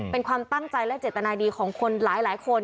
เป็นความตั้งใจและเจตนาดีของคนหลายคน